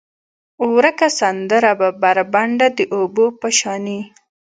ورکه سندره به، بربنډه د اوبو په شانې،